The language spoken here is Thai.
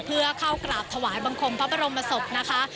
เพื่อเข้ากราบถวายบังคมพระบรมศพนะคะ